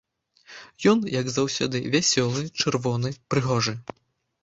Ён, як заўсёды, вясёлы, чырвоны, прыгожы.